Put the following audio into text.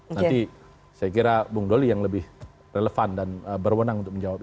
nanti saya kira bung doli yang lebih relevan dan berwenang untuk menjawab itu